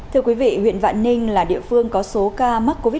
thưa quý vị huyện vạn ninh là địa phương có số ca mắc covid một mươi chín